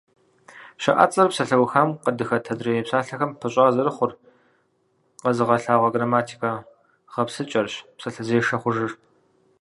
ЩыӀэцӀэр псалъэухам къыдыхэт адрей псалъэхэм пыщӀа зэрыхъур къэзыгъэлъагъуэ грамматикэ гъэпсыкӀэрщ псалъэзешэ хъужыр.